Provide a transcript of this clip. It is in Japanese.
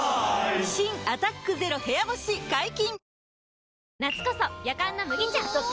新「アタック ＺＥＲＯ 部屋干し」解禁‼